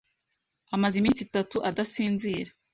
amaze iminsi itatu adasinzira.